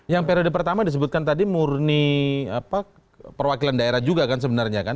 yang periode pertama disebutkan tadi murni perwakilan daerah juga kan sebenarnya kan